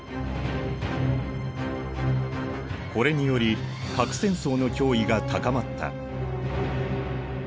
これにより核戦争の脅威が高まった。